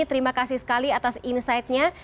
terima kasih sekali atas insightnya